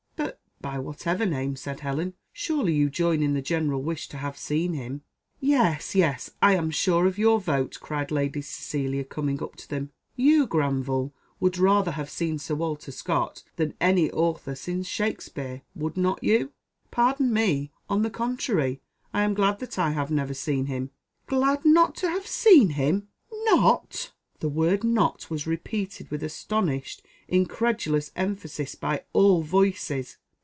'" "But by whatever name," said Helen, "surely you join in that general wish to have seen him?" "Yes, yes, I am sure of your vote," cried Lady Cecilia, coming up to them, "You, Granville, would rather have seen Sir Walter Scott than any author since Shakespeare would not you?" "Pardon me, on the contrary, I am glad that I have never seen him." "Glad not to have seen him! not?" The word not was repeated with astonished incredulous emphasis by all voices.